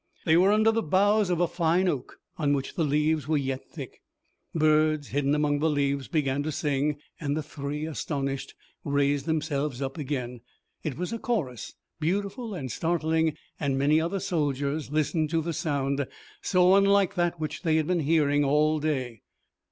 They were under the boughs of a fine oak, on which the leaves were yet thick. Birds, hidden among the leaves, began to sing, and the three, astonished, raised themselves up again. It was a chorus, beautiful and startling, and many other soldiers listened to the sound, so unlike that which they had been hearing all day.